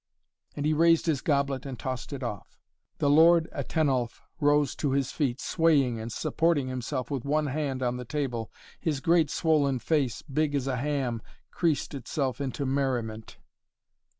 And he raised his goblet and tossed it off. The Lord Atenulf rose to his feet, swaying and supporting himself with one hand on the table. His great swollen face, big as a ham, creased itself into merriment.